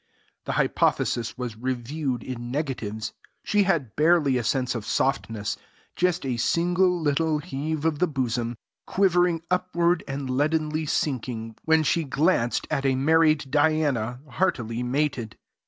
The hypothesis was reviewed in negatives: she had barely a sense of softness, just a single little heave of the bosom, quivering upward and leadenly sinking, when she glanced at a married Diana heartily mated.